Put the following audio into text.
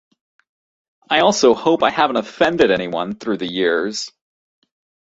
I also hope I haven't offended anyone through the years.